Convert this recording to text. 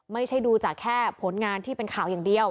ไม่ใช่ดูจากแค่ผลงานที่เป็นข่าวอย่างเดียว